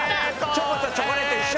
チョコとチョコレート一緒。